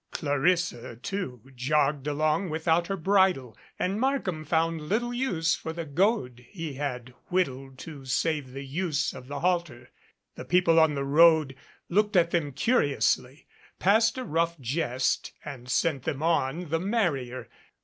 Clarissa, too, jogged along without her bridle, and Markham found little use for the goad he had whittled to save the use of the halter. The people on the road looked at them curiously, passed a rough jest, and sent them on the merrier.